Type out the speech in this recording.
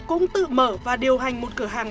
cũng tự mở và điều hành một cửa hàng